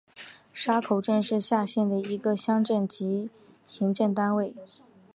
沙口镇是下辖的一个乡镇级行政单位。